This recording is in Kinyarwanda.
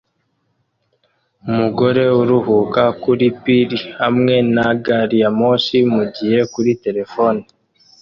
Umugore aruhuka kuri pir hamwe na gari ya moshi mugihe kuri terefone